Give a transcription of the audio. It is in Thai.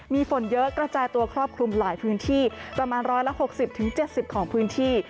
มีฝนเยอะกระจายตัวครอบคลุมหลายพื้นที่ประมาณ๑๖๐๗๐ของพื้นที่